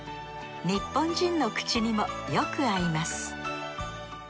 日本人の口にもよく合います